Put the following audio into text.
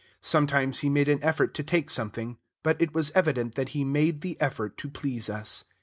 Sometimes he made an effort to take something, but it was evident that he made the effort to please us.